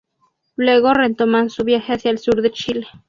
Luego retoman su viaje hacia el sur de Chile.